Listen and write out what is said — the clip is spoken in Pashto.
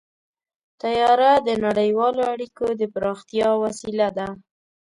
طیاره د نړیوالو اړیکو د پراختیا وسیله ده.